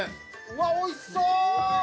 わあおいしそう！